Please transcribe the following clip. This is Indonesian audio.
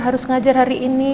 harus ngajar hari ini